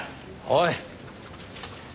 おい。